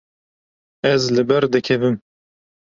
Ez li ber dikevim.